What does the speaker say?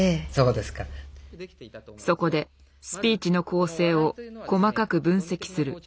そこでスピーチの構成を細かく分析する。